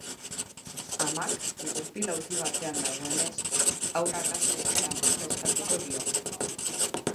Amak, gurpil-aulki batean dagoenez, haurrak hazteko laguntza eskatuko dio.